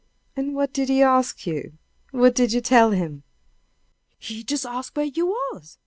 "What did he ask you? What did you tell him?" "He jes ax where you was.